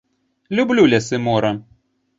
Люблю лес і мора.